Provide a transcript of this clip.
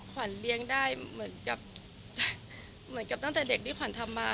ขวัญเลี้ยงได้เหมือนกับเหมือนกับตั้งแต่เด็กที่ขวัญทำมา